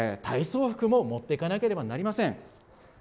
体操服も持って行かなければなりません。